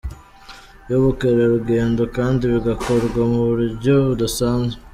cy’ubukerarugendo, kandi bigakorwa mu buryo budasanzwe.